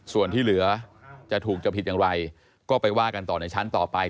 ส่วนที่เหลือจะถูกจะผิดอย่างไรก็ไปว่ากันต่อในชั้นต่อไป